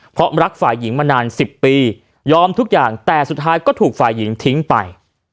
เพราะรักฝ่ายหญิงมานาน๑๐ปียอมทุกอย่างแต่สุดท้ายก็ถูกฝ่ายหญิงทิ้งไป